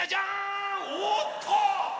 おっと！